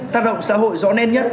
tác động xã hội rõ nét nhất